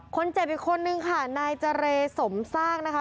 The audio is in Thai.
คนเจ็บอีกคนนึงค่ะนายเจรสมซากนะคะ